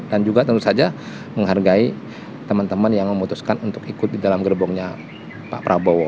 dan juga tentu saja menghargai teman teman yang memutuskan untuk ikut di dalam gerbongnya pak prabowo